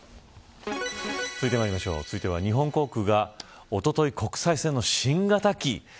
続いては、日本航空がおととい、国際線の新型機